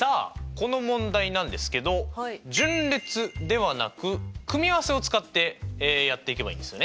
この問題なんですけど順列ではなく組合せを使ってやっていけばいいんですよね。